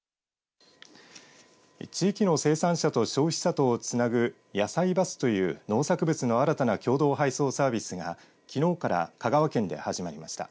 地域の生産者と消費者とをつなぐやさいバスという農作物の新たな共同配送サービスがきのうから香川県で始まりました。